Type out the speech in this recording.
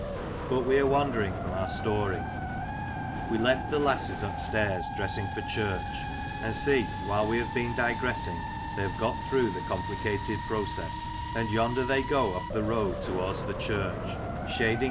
But we are wandering from our story. We left the lasses upstairs dressing for church ; and see, while we have been digressing, they have got through the complicated process, and yonder they go up the road towards the church, shading Old Johfis Sunday Dinner.